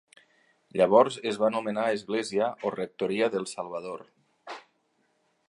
Llavors es va anomenar església o rectoria del Salvador.